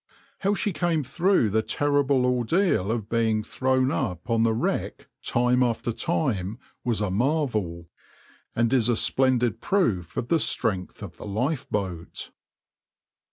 How she came through the terrible ordeal of being thrown up on the wreck time after time was a marvel, and is a splendid proof of the strength of the lifeboat.